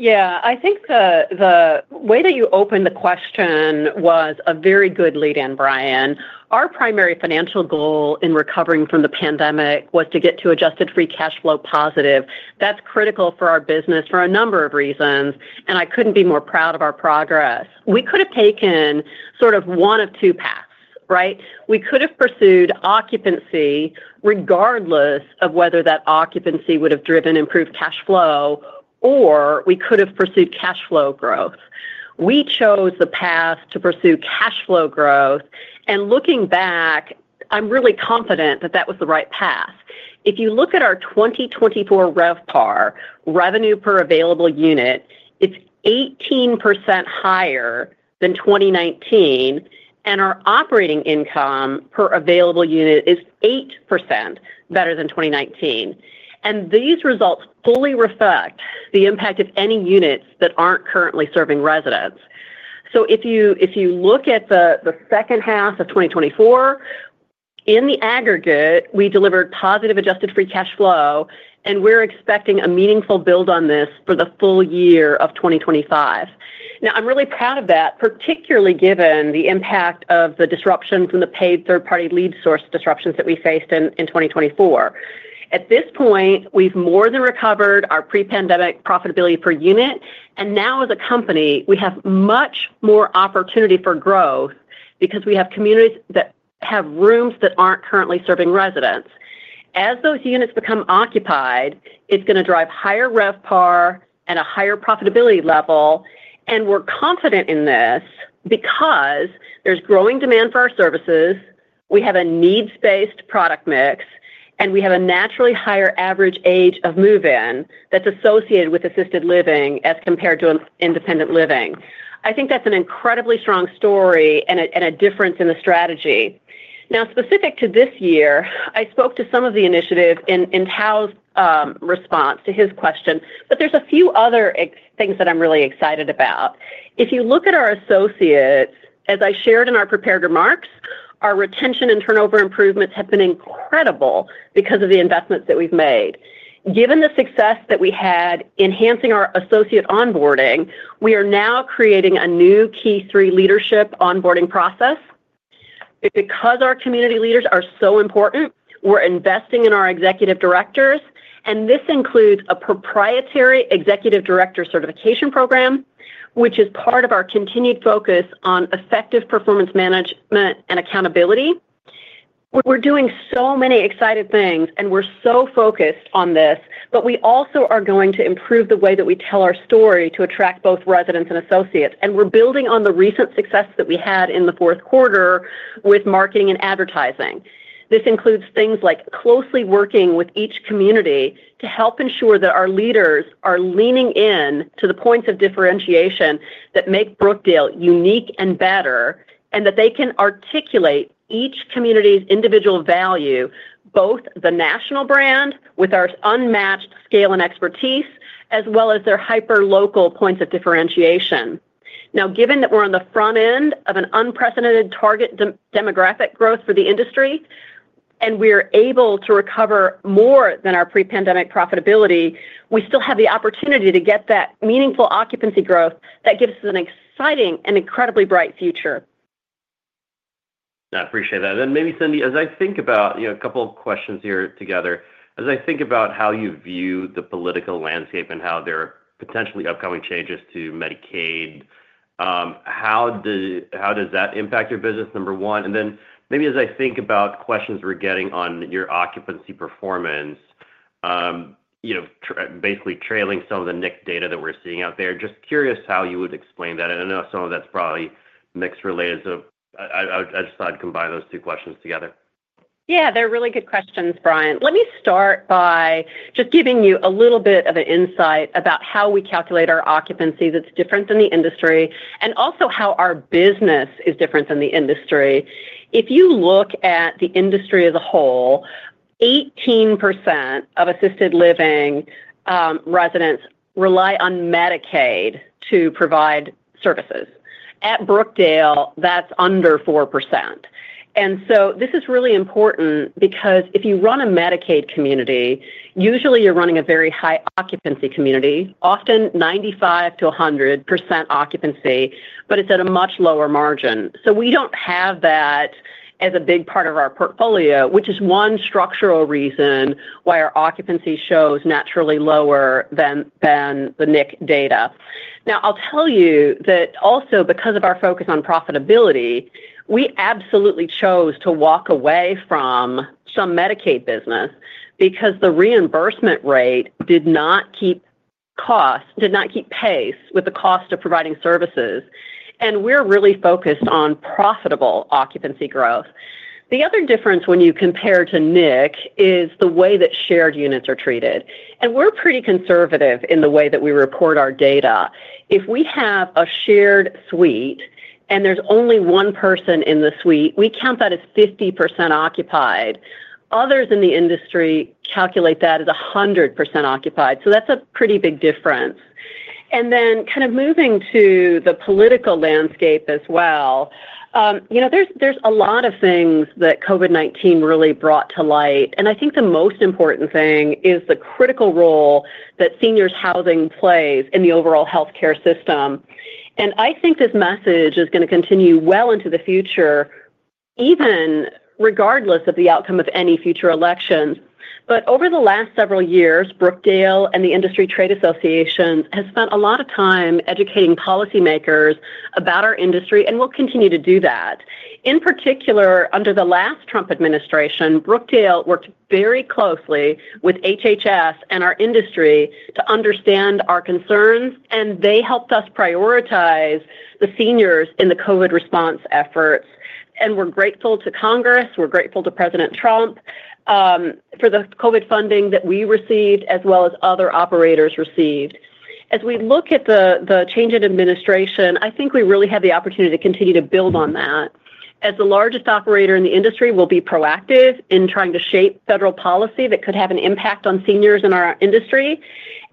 Yeah, I think the way that you opened the question was a very good lead-in, Brian. Our primary financial goal in recovering from the pandemic was to get to adjusted free cash flow positive. That's critical for our business for a number of reasons, and I couldn't be more proud of our progress. We could have taken sort of one of two paths, right? We could have pursued occupancy regardless of whether that occupancy would have driven improved cash flow, or we could have pursued cash flow growth. We chose the path to pursue cash flow growth, and looking back, I'm really confident that that was the right path. If you look at our 2024 RevPAR revenue per available unit, it's 18% higher than 2019, and our operating income per available unit is 8% better than 2019, and these results fully reflect the impact of any units that aren't currently serving residents, so if you look at the second half of 2024, in the aggregate, we delivered positive adjusted free cash flow, and we're expecting a meaningful build on this for the full year of 2025. Now, I'm really proud of that, particularly given the impact of the disruptions and the paid third-party lead source disruptions that we faced in 2024. At this point, we've more than recovered our pre-pandemic profitability per unit, and now as a company, we have much more opportunity for growth because we have communities that have rooms that aren't currently serving residents. As those units become occupied, it's going to drive higher RevPAR and a higher profitability level, and we're confident in this because there's growing demand for our services. We have a needs-based product mix, and we have a naturally higher average age of move-in that's associated with assisted living as compared to independent living. I think that's an incredibly strong story and a difference in the strategy. Now, specific to this year, I spoke to some of the initiatives in Tao's response to his question, but there's a few other things that I'm really excited about. If you look at our associates, as I shared in our prepared remarks, our retention and turnover improvements have been incredible because of the investments that we've made. Given the success that we had enhancing our associate onboarding, we are now creating a new key three leadership onboarding process. Because our community leaders are so important, we're investing in our executive directors, and this includes a proprietary executive director certification program, which is part of our continued focus on effective performance management and accountability. We're doing so many exciting things, and we're so focused on this, but we also are going to improve the way that we tell our story to attract both residents and associates, and we're building on the recent success that we had in the Q4 with marketing and advertising. This includes things like closely working with each community to help ensure that our leaders are leaning in to the points of differentiation that make Brookdale unique and better, and that they can articulate each community's individual value, both the national brand with our unmatched scale and expertise, as well as their hyper-local points of differentiation. Now, given that we're on the front end of an unprecedented target demographic growth for the industry, and we're able to recover more than our pre-pandemic profitability, we still have the opportunity to get that meaningful occupancy growth that gives us an exciting and incredibly bright future. I appreciate that, and maybe, Cindy, as I think about a couple of questions here together, as I think about how you view the political landscape and how there are potentially upcoming changes to Medicaid, how does that impact your business, number one? Then maybe as I think about questions we're getting on your occupancy performance, basically trailing some of the NIC data that we're seeing out there, just curious how you would explain that. And I know some of that's probably mix related, so I just thought I'd combine those two questions together. Yeah, they're really good questions, Brian. Let me start by just giving you a little bit of an insight about how we calculate our occupancy that's different than the industry, and also how our business is different than the industry. If you look at the industry as a whole, 18% of assisted living residents rely on Medicaid to provide services. At Brookdale, that's under 4%. And so this is really important because if you run a Medicaid community, usually you're running a very high occupancy community, often 95%-100% occupancy, but it's at a much lower margin. So we don't have that as a big part of our portfolio, which is one structural reason why our occupancy shows naturally lower than the NIC data. Now, I'll tell you that also because of our focus on profitability, we absolutely chose to walk away from some Medicaid business because the reimbursement rate did not keep pace with the cost of providing services. And we're really focused on profitable occupancy growth. The other difference when you compare to NIC is the way that shared units are treated. And we're pretty conservative in the way that we report our data. If we have a shared suite and there's only one person in the suite, we count that as 50% occupied. Others in the industry calculate that as 100% occupied. So that's a pretty big difference. And then kind of moving to the political landscape as well, there's a lot of things that COVID-19 really brought to light. And I think the most important thing is the critical role that seniors' housing plays in the overall healthcare system. And I think this message is going to continue well into the future, even regardless of the outcome of any future election. But over the last several years, Brookdale and the Industry Trade Association has spent a lot of time educating policymakers about our industry, and we'll continue to do that. In particular, under the last Trump administration, Brookdale worked very closely with HHS and our industry to understand our concerns, and they helped us prioritize the seniors in the COVID response efforts. And we're grateful to Congress. We're grateful to President Trump for the COVID funding that we received, as well as other operators received. As we look at the change in administration, I think we really have the opportunity to continue to build on that. As the largest operator in the industry, we'll be proactive in trying to shape federal policy that could have an impact on seniors in our industry.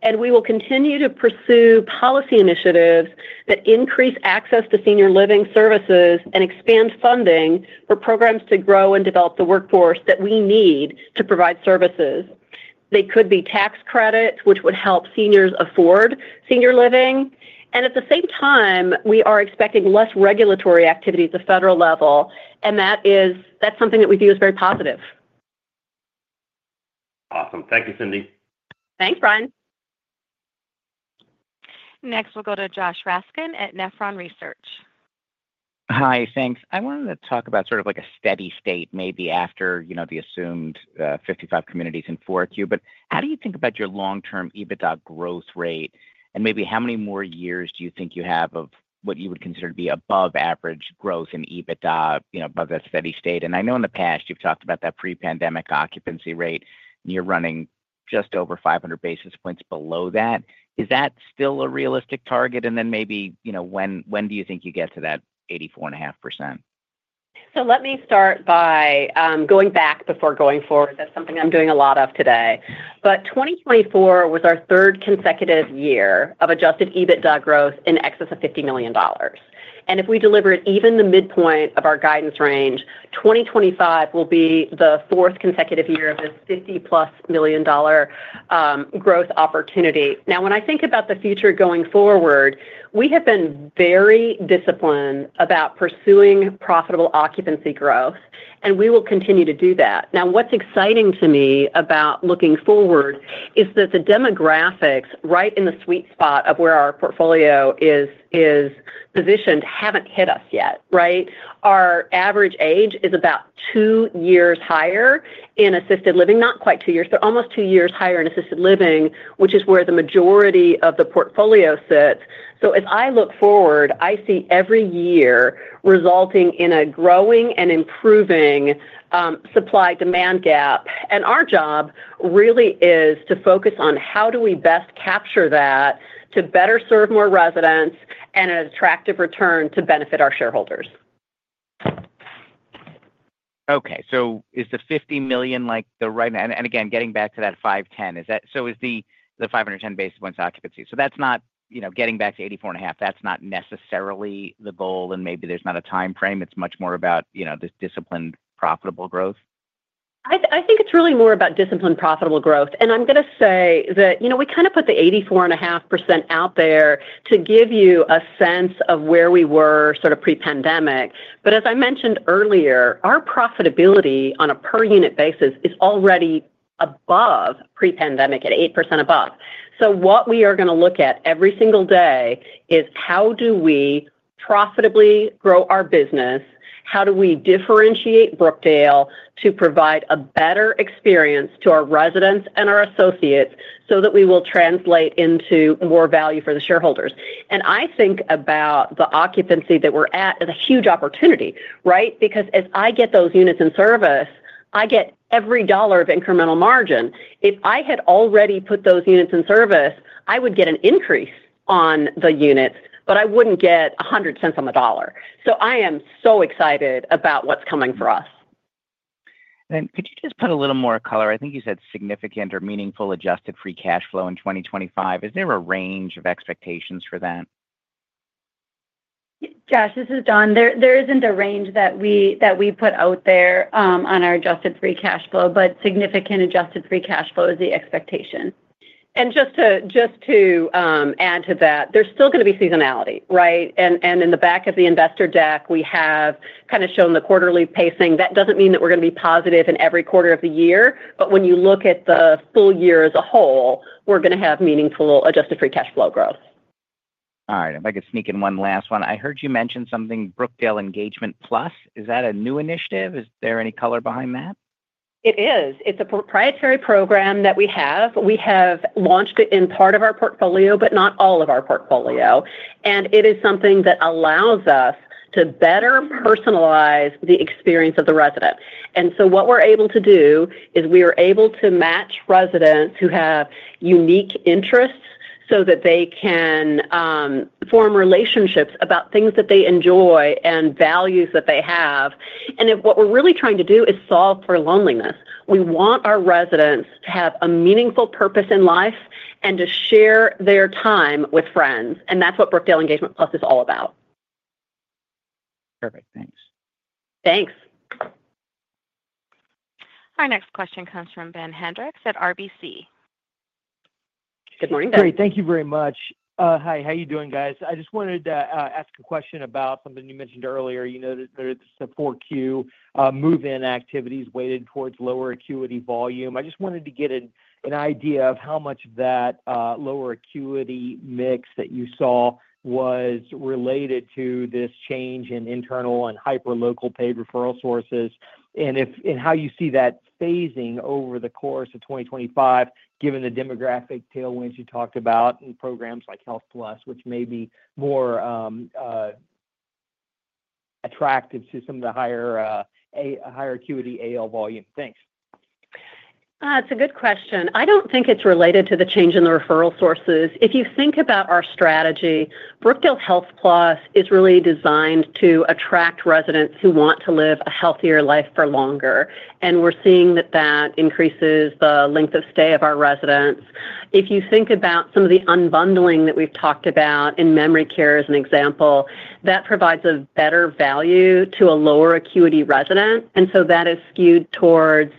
And we will continue to pursue policy initiatives that increase access to senior living services and expand funding for programs to grow and develop the workforce that we need to provide services. They could be tax credits, which would help seniors afford senior living. And at the same time, we are expecting less regulatory activities at the federal level, and that's something that we view as very positive. Awesome. Thank you, Cindy. Thanks, Brian. Next, we'll go to Josh Raskin at Nephron Research. Hi, thanks. I wanted to talk about sort of like a steady state maybe after the assumed 55 communities in Florida. But how do you think about your long-term EBITDA growth rate, and maybe how many more years do you think you have of what you would consider to be above-average growth in EBITDA above that steady state? And I know in the past you've talked about that pre-pandemic occupancy rate, and you're running just over 500 basis points below that. Is that still a realistic target? And then maybe when do you think you get to that 84.5%? So let me start by going back before going forward. That's something I'm doing a lot of today. But 2024 was our third consecutive year of Adjusted EBITDA growth in excess of $50 million. And if we deliver it even the midpoint of our guidance range, 2025 will be the fourth consecutive year of this $50-plus million growth opportunity. Now, when I think about the future going forward, we have been very disciplined about pursuing profitable occupancy growth, and we will continue to do that. Now, what's exciting to me about looking forward is that the demographics right in the sweet spot of where our portfolio is positioned haven't hit us yet, right? Our average age is about two years higher in assisted living, not quite two years, but almost two years higher in assisted living, which is where the majority of the portfolio sits. So as I look forward, I see every year resulting in a growing and improving supply-demand gap. Our job really is to focus on how do we best capture that to better serve more residents and an attractive return to benefit our shareholders. Okay, so is the $50 million like the right? And again, getting back to that 510, so is the 510 basis points occupancy. So that's not getting back to 84.5%, that's not necessarily the goal, and maybe there's not a time frame. It's much more about this disciplined profitable growth. I think it's really more about disciplined profitable growth. And I'm going to say that we kind of put the 84.5% out there to give you a sense of where we were sort of pre-pandemic. But as I mentioned earlier, our profitability on a per-unit basis is already above pre-pandemic at 8% above. So what we are going to look at every single day is how do we profitably grow our business, how do we differentiate Brookdale to provide a better experience to our residents and our associates so that we will translate into more value for the shareholders. And I think about the occupancy that we're at as a huge opportunity, right? Because as I get those units in service, I get every dollar of incremental margin. If I had already put those units in service, I would get an increase on the units, but I wouldn't get a hundred cents on the dollar. So I am so excited about what's coming for us. And could you just put a little more color? I think you said significant or meaningful Adjusted Free Cash Flow in 2025. Is there a range of expectations for that? Josh, this is Dawn. There isn't a range that we put out there on our adjusted free cash flow, but significant adjusted free cash flow is the expectation. And just to add to that, there's still going to be seasonality, right, and in the back of the investor deck, we have kind of shown the quarterly pacing. That doesn't mean that we're going to be positive in every quarter of the year, but when you look at the full year as a whole, we're going to have meaningful adjusted free cash flow growth. All right. If I could sneak in one last one. I heard you mention something, Brookdale Engagement Plus. Is that a new initiative? Is there any color behind that? It is. It's a proprietary program that we have. We have launched it in part of our portfolio, but not all of our portfolio. It is something that allows us to better personalize the experience of the resident. And so what we're able to do is we are able to match residents who have unique interests so that they can form relationships about things that they enjoy and values that they have. And what we're really trying to do is solve for loneliness. We want our residents to have a meaningful purpose in life and to share their time with friends. And that's what Brookdale Engagement Plus is all about. Perfect. Thanks. Thanks. Our next question comes from Ben Hendrix at RBC. Good morning, Ben. Great. Thank you very much. Hi, how are you doing, guys? I just wanted to ask a question about something you mentioned earlier. You noted that the Forkiew move-in activities weighted towards lower acuity volume. I just wanted to get an idea of how much of that lower acuity mix that you saw was related to this change in internal and hyper-local paid referral sources and how you see that phasing over the course of 2025, given the demographic tailwinds you talked about and programs like Health Plus, which may be more attractive to some of the higher acuity AL volume? Thanks. It's a good question. I don't think it's related to the change in the referral sources. If you think about our strategy, Brookdale Health Plus is really designed to attract residents who want to live a healthier life for longer, and we're seeing that that increases the length of stay of our residents. If you think about some of the unbundling that we've talked about in memory care as an example, that provides a better value to a lower acuity resident. And so that is skewed towards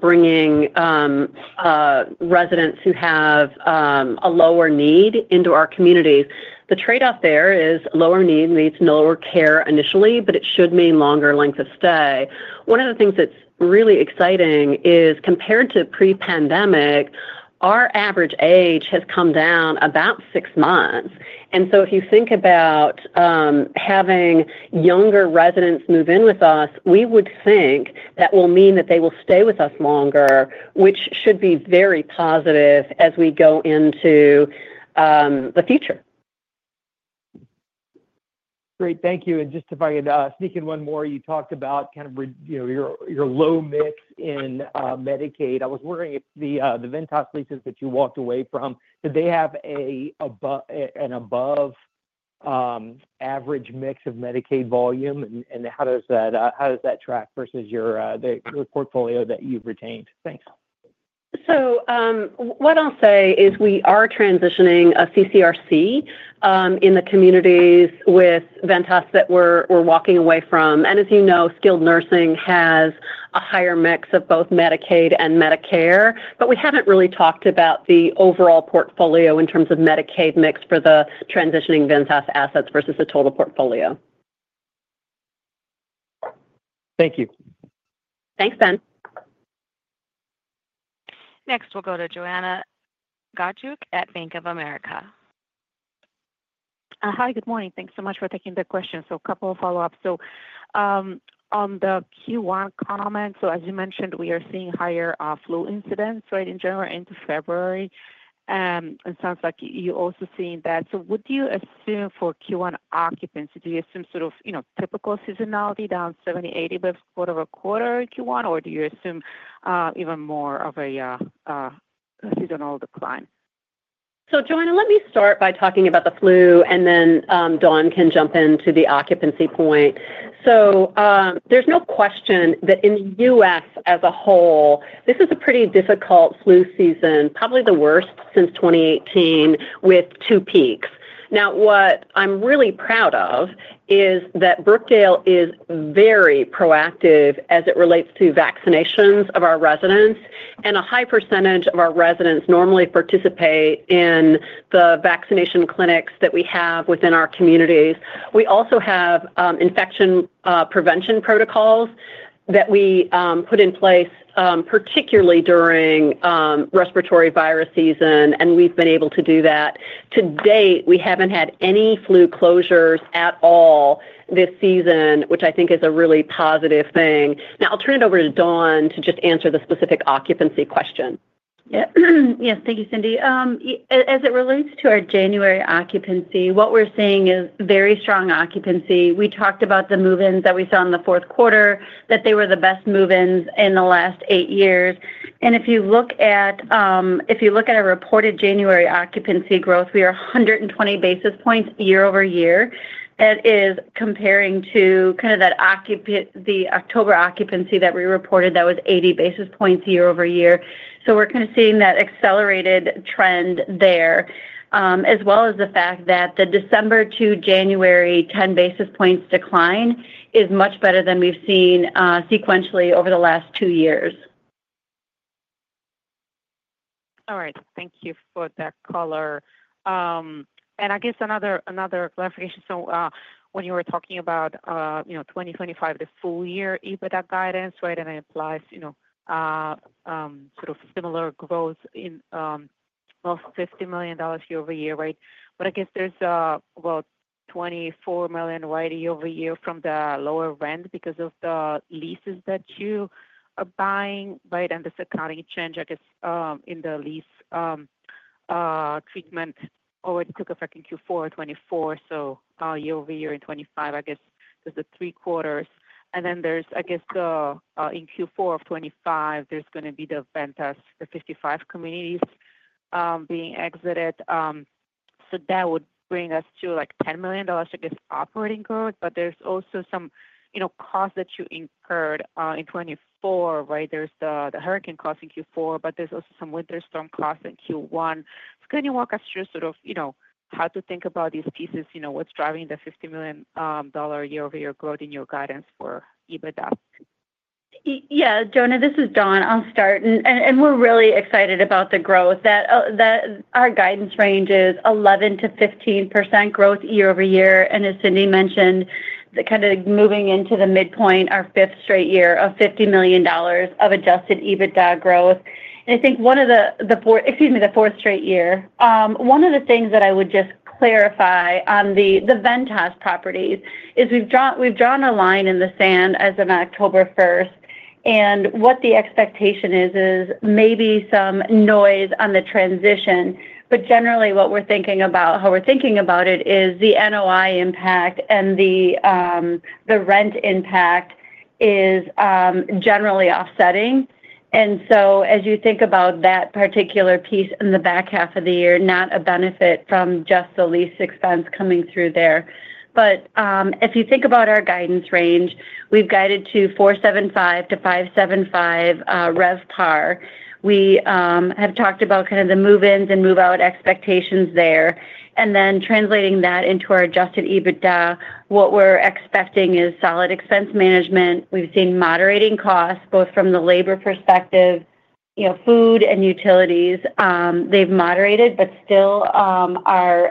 bringing residents who have a lower need into our community. The trade-off there is lower need leads to lower care initially, but it should mean longer length of stay. One of the things that's really exciting is compared to pre-pandemic, our average age has come down about six months. And so if you think about having younger residents move in with us, we would think that will mean that they will stay with us longer, which should be very positive as we go into the future. Great. Thank you. And just if I could sneak in one more, you talked about kind of your low mix in Medicaid. I was wondering if the Ventas leases that you walked away from, did they have an above-average mix of Medicaid volume? And how does that track versus the portfolio that you've retained? Thanks. So what I'll say is we are transitioning a CCRC in the communities with Ventas that we're walking away from. And as you know, skilled nursing has a higher mix of both Medicaid and Medicare, but we haven't really talked about the overall portfolio in terms of Medicaid mix for the transitioning Ventas assets versus the total portfolio. Thank you. Thanks, Ben. Next, we'll go to Joanna Gajuk at Bank of America. Hi, good morning. Thanks so much for taking the question. So a couple of follow-ups. So on the Q1 comments, so as you mentioned, we are seeing higher inflows right in general into February. And it sounds like you're also seeing that. So what do you assume for Q1 occupancy? Do you assume sort of typical seasonality down 70-80, but quarter-over-quarter Q1, or do you assume even more of a seasonal decline? Joanna, let me start by talking about the flu, and then Dawn can jump into the occupancy point. There's no question that in the U.S. as a whole, this is a pretty difficult flu season, probably the worst since 2018 with two peaks. Now, what I'm really proud of is that Brookdale is very proactive as it relates to vaccinations of our residents. A high percentage of our residents normally participate in the vaccination clinics that we have within our communities. We also have infection prevention protocols that we put in place, particularly during respiratory virus season. We've been able to do that. To date, we haven't had any flu closures at all this season, which I think is a really positive thing. I'll turn it over to Dawn to just answer the specific occupancy question. Yeah. Yes. Thank you, Cindy. As it relates to our January occupancy, what we're seeing is very strong occupancy. We talked about the move-ins that we saw in the Q4, that they were the best move-ins in the last eight years. And if you look at our reported January occupancy growth, we are 120 basis points year-over-year. That is comparing to kind of the October occupancy that we reported that was 80 basis points year-over-year. So we're kind of seeing that accelerated trend there, as well as the fact that the December to January 10 basis points decline is much better than we've seen sequentially over the last two years. All right. Thank you for that color. And I guess another clarification. So when you were talking about 2025, the full-year EBITDA guidance, right, and it applies sort of similar growth in almost $50 million year-over-year, right? But I guess there's about $24 million year-over-year from the lower rent because of the leases that you are buying, right? And there's accounting change, I guess, in the lease treatment already took effect in Q4 of 2024. So year-over-year in 2025, I guess, there's the three quarters. And then there's, I guess, in Q4 of 2025, there's going to be the Ventas for 55 communities being exited. So that would bring us to like $10 million, I guess, operating growth. But there's also some costs that you incurred in 2024, right? There's the hurricane cost in Q4, but there's also some winter storm costs in Q1. So can you walk us through sort of how to think about these pieces, what's driving the $50 million year-over-year growth in your guidance for EBITDA? Yeah. Joanna, this is Dawn. I'll start. And we're really excited about the growth. Our guidance range is 11%-15% growth year-over-year. And as Cindy mentioned, kind of moving into the midpoint, our fifth straight year of $50 million of adjusted EBITDA growth. And I think one of the, excuse me, the fourth straight year. One of the things that I would just clarify on the Ventas properties is we've drawn a line in the sand as of October 1st. And what the expectation is, is maybe some noise on the transition. But generally, what we're thinking about, how we're thinking about it, is the NOI impact and the rent impact is generally offsetting. And so as you think about that particular piece in the back half of the year, not a benefit from just the lease expense coming through there. But if you think about our guidance range, we've guided to $475-$575 RevPAR. We have talked about kind of the move-ins and move-out expectations there. And then translating that into our Adjusted EBITDA, what we're expecting is solid expense management. We've seen moderating costs, both from the labor perspective, food, and utilities. They've moderated, but still are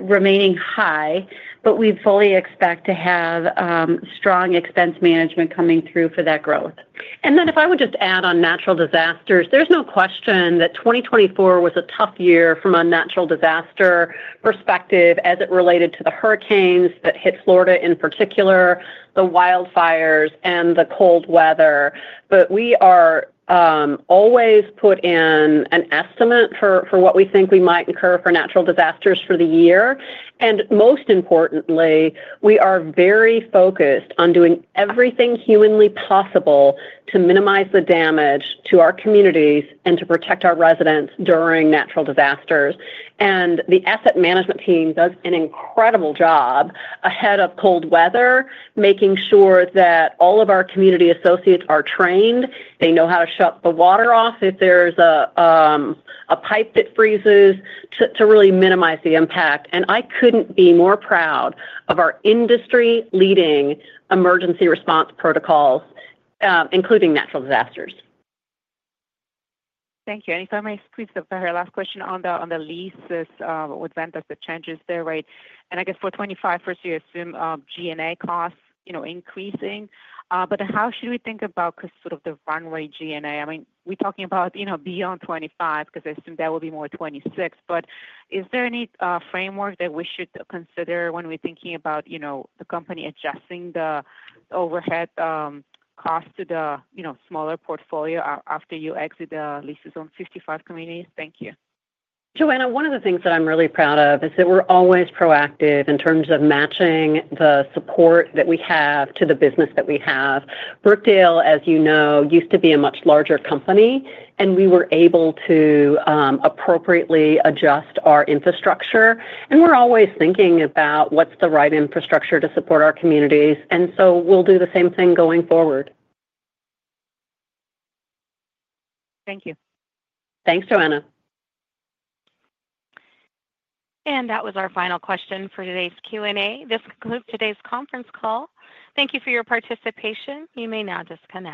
remaining high. But we fully expect to have strong expense management coming through for that growth. And then if I would just add on natural disasters, there's no question that 2024 was a tough year from a natural disaster perspective as it related to the hurricanes that hit Florida in particular, the wildfires, and the cold weather. But we are always put in an estimate for what we think we might incur for natural disasters for the year. And most importantly, we are very focused on doing everything humanly possible to minimize the damage to our communities and to protect our residents during natural disasters. And the asset management team does an incredible job ahead of cold weather, making sure that all of our community associates are trained. They know how to shut the water off if there's a pipe that freezes to really minimize the impact. And I couldn't be more proud of our industry-leading emergency response protocols, including natural disasters. Thank you. And if I may please have a last question on the leases with Ventas, the changes there, right? And I guess for 2025, first, you assume G&A costs increasing. But how should we think about sort of the run-rate G&A? I mean, we're talking about beyond 2025 because I assume that will be more 2026. But is there any framework that we should consider when we're thinking about the company adjusting the overhead costs to the smaller portfolio after you exit the leases on 65 communities? Thank you. Joanna, one of the things that I'm really proud of is that we're always proactive in terms of matching the support that we have to the business that we have. Brookdale, as you know, used to be a much larger company, and we were able to appropriately adjust our infrastructure. And we're always thinking about what's the right infrastructure to support our communities. And so we'll do the same thing going forward. Thank you. Thanks, Joanna. And that was our final question for today's Q&A. This concludes today's conference call. Thank you for your participation. You may now disconnect.